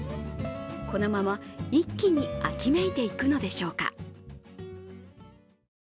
このまま一気に秋めいていくのでしょうか。